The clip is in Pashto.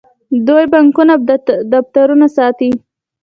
دوی بانکونه او دفترونه ساتي.